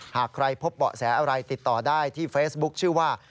หากใครพบเบาะแสอะไรติดต่อได้ที่เฟซบุ๊คชื่อว่า